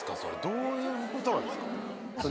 どういう事なんですか。